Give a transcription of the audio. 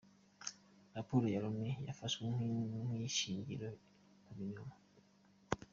Raporo ya Loni yafashwe nk’ishingiye ku binyoma.